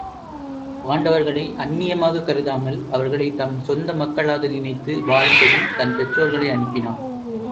பாண்டவர்களை அந்நியமாகக் கருதாமல் அவர்களைத் தம் சொந்த மக்களாக நினைத்து வாழும்படி தன் பெற்றோர்களை அனுப்பினான்.